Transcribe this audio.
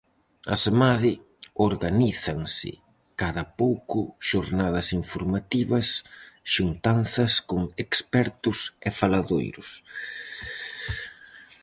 Asemade, organízanse cada pouco xornadas informativas, xuntanzas con expertos e faladoiros.